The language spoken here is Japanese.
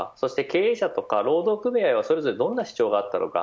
経営者と労働組合はそれぞれどんな主張だったのか。